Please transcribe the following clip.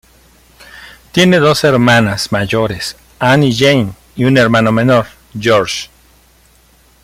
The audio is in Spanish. Tiene dos hermanas mayores, Ann y Jane, y un hermano menor, George.